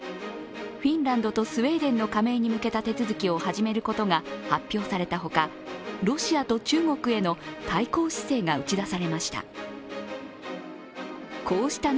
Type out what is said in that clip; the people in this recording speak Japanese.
フィンランドとスウェーデンの加盟に向けた手続きを始めることが発表されたほか、ロシアと中国への対抗姿勢が打ち出されました。